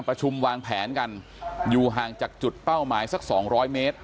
ประชุมวางแผนกันอยู่ห่างจากจุดเป้าหมายสักสองร้อยเมตร